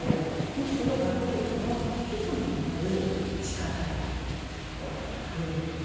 むしろ学力の基礎になる力であるということだとか。